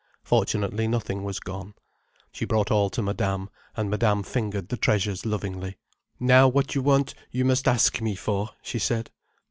Fortunately nothing was gone. She brought all to Madame, and Madame fingered the treasures lovingly. "Now what you want you must ask me for," she said.